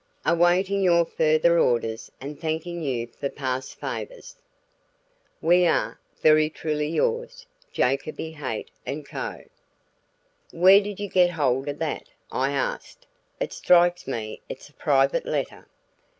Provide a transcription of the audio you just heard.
"Awaiting your further orders and thanking you for past favors, "We are, "Very truly yours, "JACOBY, HAIGHT & CO." "Where did you get hold of that?" I asked. "It strikes me it's a private letter."